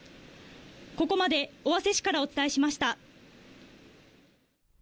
ここまで尾鷲市からお伝えしました。